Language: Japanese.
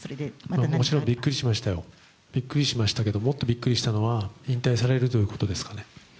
もちろんびっくりしましたよ、もっとびっくりしたのは引退されるということですかね。